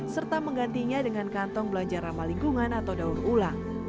serta menggantinya dengan kantong belanja ramah lingkungan atau daur ulang